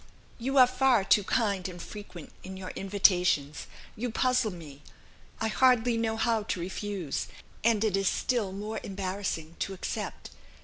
"You are far too kind and frequent in your invitations. You puzzle me. I hardly know how to refuse, and it is still more embarrassing to accept.